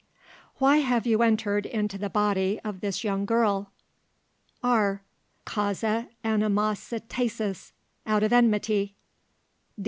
Why have you entered into the body of this young girl? R. Causa animositatis. Out of enmity.